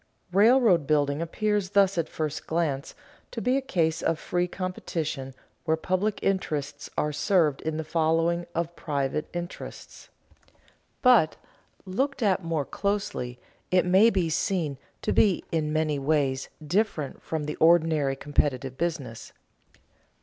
Railroad building appears thus at first glance to be a case of free competition where public interests are served in the following of private interests. But, looked at more closely, it may be seen to be in many ways different from the ordinary competitive business.